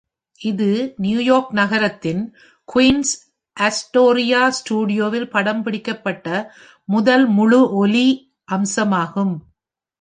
இது நியூயார்க் நகரத்தின் Queens, Astoria ஸ்டுடியோவில் படம்பிடிக்கப்பட்ட முதல் முழு ஒலி அம்சமாகும்.